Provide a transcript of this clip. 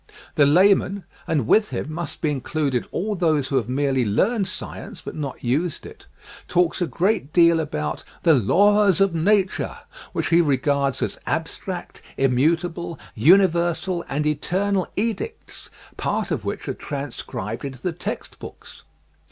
The layman — and with him must be included all those who have merely learned science but not used it —• talks a great deal about " the laws of Nature," which he regards as abstract, immutable, universal and eter nal edicts, part of which are transcribed into the text books.